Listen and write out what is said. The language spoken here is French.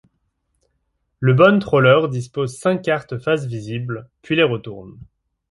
Le bonnetrolleur dispose cinq cartes face visible, puis les retourne.